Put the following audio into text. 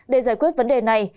để giải quyết vấn đề này